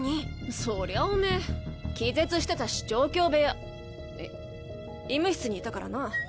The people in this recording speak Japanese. そりゃおめぇ気絶してたし調教部屋い医務室にいたからな。